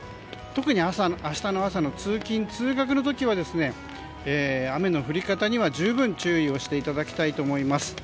特に明日の朝の通勤・通学の時は雨の降り方には十分注意していただきたいと思います。